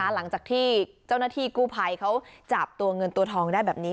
หลังจากที่เจ้าหน้าที่กู้ภัยเขาจับตัวเงินตัวทองได้แบบนี้